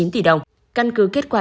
hai trăm linh chín tỷ đồng căn cứ kết quả